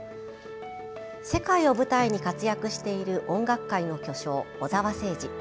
世界を舞台に活躍している音楽界の巨匠・小澤征爾。